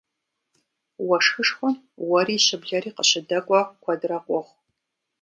Уэшхышхуэм уэри щыблэри къыщыдэкӏуэ куэдрэ къохъу.